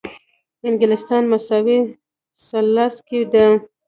انګلستان مساوي ثلث کې ده.